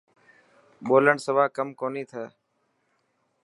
ٻولڻ سوا ڪم ڪوني ٿي.